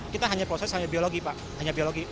kita hanya proses hanya biologi pak hanya biologi